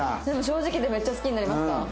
でも正直でめっちゃ好きになりました。